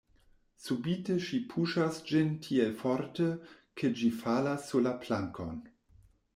Subite ŝi puŝas ĝin tiel forte, ke ĝi falas sur la plankon.